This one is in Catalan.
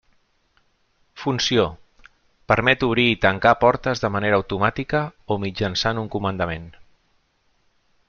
Funció: permet obrir i tancar portes de manera automàtica o mitjançant un comandament.